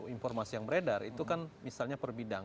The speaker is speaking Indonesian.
informasi yang beredar itu kan misalnya per bidang